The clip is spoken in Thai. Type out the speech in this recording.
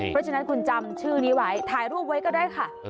เพราะฉะนั้นคุณจำชื่อนี้ไว้ถ่ายรูปไว้ก็ได้ค่ะ